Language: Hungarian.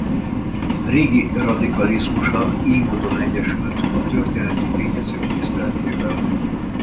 Régi radikalizmusa ily módon egyesült a történeti tényezők tiszteletével.